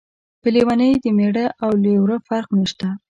په لیونۍ د مېړه او لېوره فرق نشته.